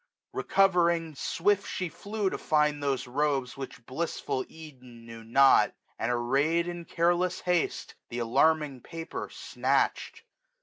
Recovering, swift she flew to find those robes Which blissful Eden knew not ; and, array'd 1350 In careless haste, th' alarming paper snatched.